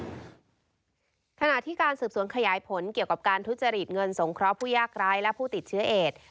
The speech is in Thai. ขณะที่การสืบสวนขยายผลเกี่ยวกับการทุจริตเงินสงเคราะห์ผู้ยากร้ายและผู้ติดเชื้อเอด